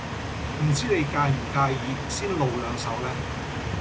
唔知你介唔介意先露兩手呢？